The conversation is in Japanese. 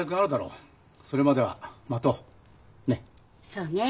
そうね。